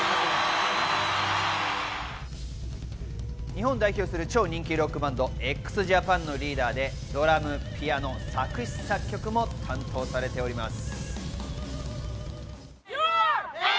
日本を代表する超人気ロックバンド、ＸＪＡＰＡＮのリーダーでドラム、ピアノ、作詞・作曲も担当されております。